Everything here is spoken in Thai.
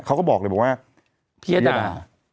เขาก็บอกเลยว่าพี่ยดา